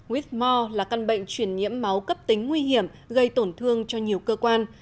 whitmore là căn bệnh truyền nhiễm máu cấp tính nguy hiểm gây tổn thương cho nhiều cơ quan